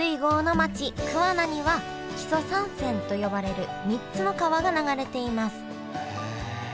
桑名には木曽三川と呼ばれる３つの川が流れています。